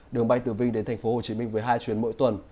đường bay từ vinh đến thành phố hồ chí minh với hai chuyến mỗi tuần